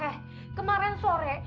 heh kemarin sore